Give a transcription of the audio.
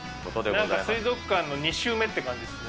なんか水族館の２周目って感じっすね。